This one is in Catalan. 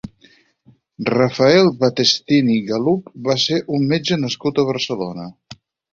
Rafael Battestini Galup va ser un metge nascut a Barcelona.